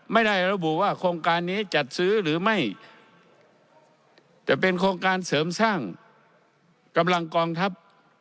ไม่ได้ระบุว่าโครงการนี้จัดซื้อหรือไม่แต่เป็นโครงการเสริมสร้างกำลังกองทัพ